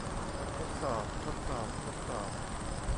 ทดสอบ ทดสอบ ทดสอบ